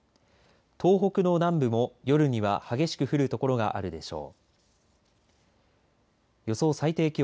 東北の南部も夜には激しく降るところがあるでしょう。